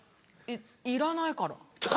いらないから。